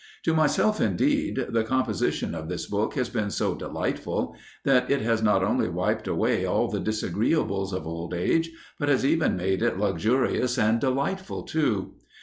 To myself, indeed, the composition of this book has been so delightful, that it has not only wiped away all the disagreeables of old age, but has even made it luxurious and delightful too.